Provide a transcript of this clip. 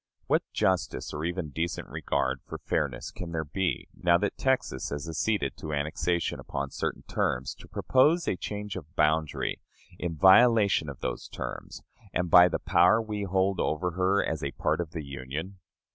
What justice, or even decent regard for fairness, can there be, now that Texas has acceded to annexation upon certain terms, to propose a change of boundary, in violation of those terms, and by the power we hold over her as a part of the Union?